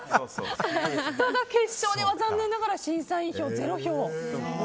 決勝では残念ながら審査員票０票。